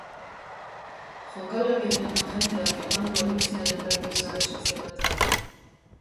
Jokalariaren agenteak eman du albistearen berri sare sozialetan.